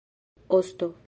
osto